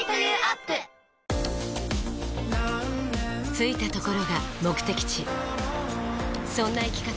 着いたところが目的地そんな生き方